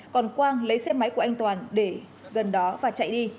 còn quang lấy xe máy của anh toàn để gần đó và chạy đi